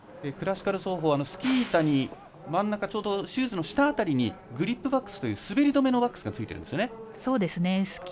クラシカル走法はスキー板に真ん中、ちょうどシューズの下辺りにグリップワックスという滑り止めのワックスがついているんですよね。